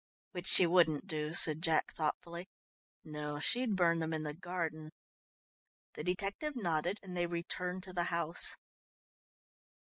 "Which she wouldn't do," said Jack thoughtfully. "No, she'd burn them in the garden." The detective nodded, and they returned to the house.